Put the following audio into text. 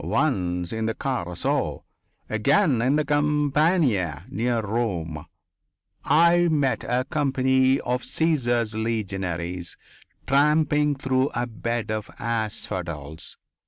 Once in the Carso. Again on the campagna near Rome. I met a company of Caesar's legionaries tramping through a bed of asphodels.